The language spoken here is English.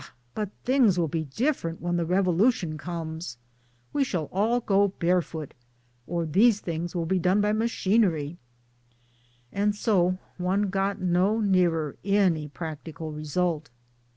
but things will be dif ferent when the Revolution comes we shall all go barefoot, or these things will be done by machinery ",;, and so one got no nearer any practical result.